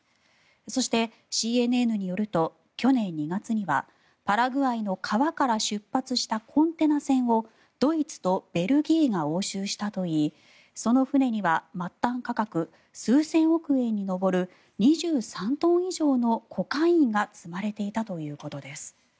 そして、ＣＮＮによると去年２月にはパラグアイの川から出発したコンテナ船をドイツとベルギーが押収したといいその船には末端価格数千億円に上る２３トン以上のコカインが積まれていたということです。